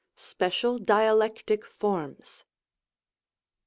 Special Dialectic Forms.